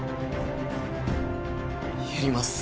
やります。